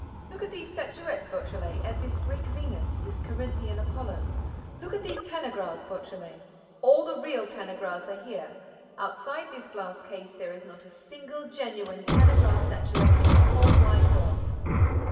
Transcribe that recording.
Look at these statuettes, Beautrelet, at this Greek Venus, this Corinthian Apollo. Look at these Tanagras, Beautrelet: all the real Tanagras are here. Outside this glass case, there is not a single genuine Tanagra statuette in the whole wide world.